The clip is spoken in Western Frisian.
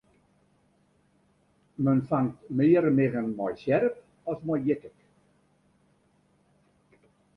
Men fangt mear miggen mei sjerp as mei jittik.